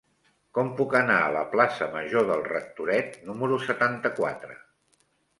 Com puc anar a la plaça Major del Rectoret número setanta-quatre?